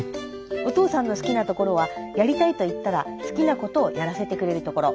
お父さんの好きなところはやりたいと言ったら好きなことをやらせてくれるところ。